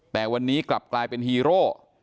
แต่วันนี้กลับกลายเป็นฮีโร่